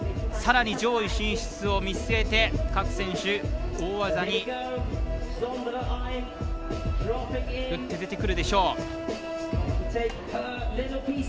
さらに上位進出を見据えて各選手、大技に打って出てくるでしょう。